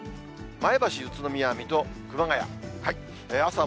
前橋、宇都宮、水戸、熊谷。